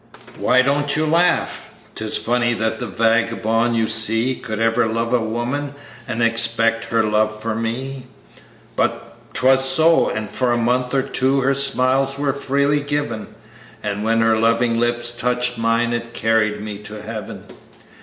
"Why don't you laugh? 'Tis funny that the vagabond you see Could ever love a woman, and expect her love for me; But 'twas so, and for a month or two, her smiles were freely given, And when her loving lips touched mine, it carried me to Heaven.